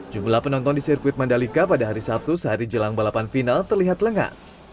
jumlah penonton di sirkuit mandalika pada hari sabtu sehari jelang balapan final terlihat lengang